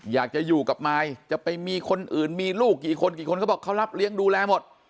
อยากจะอยู่กับมายจะไปมีคนอื่นมีลูกกี่คนกี่คนเขาบอกเขารับเลี้ยงดูแลหมด